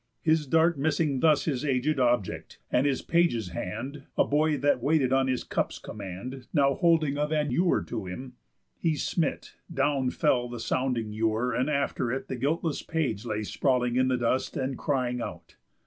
His dart missing thus His aged object, and his page's hand (A boy that waited on his cup's command, Now holding of an ewer to him) he smit, Down fell the sounding ewer, and after it The guiltless page lay sprawling in the dust, And crying out.